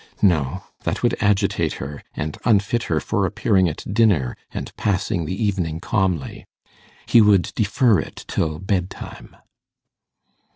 No; that would agitate her, and unfit her for appearing at dinner, and passing the evening calmly. He would defer it till bed time.